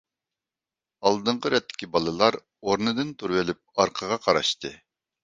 ئالدىنقى رەتتىكى بالىلار ئورنىدىن تۇرۇۋېلىپ ئارقىغا قاراشتى.